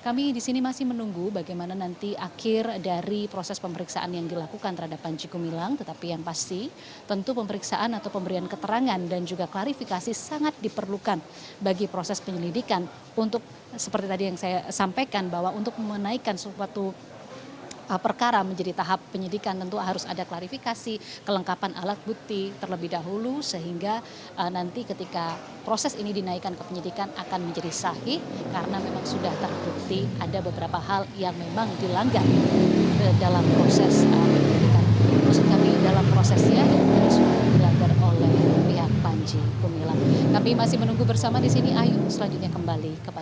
kami menunggu bersama disini ayo selanjutnya kembali kepada anda